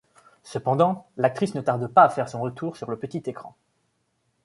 Cependant, l'actrice ne tarde pas à faire son retour sur le petit écran.